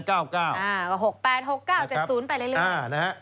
๖๘๖๙๗๐ไปเรื่อย